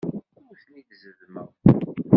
Ur ten-id-zeddmeɣ.